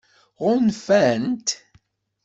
Ɣunfant-t?